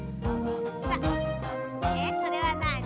それはなに？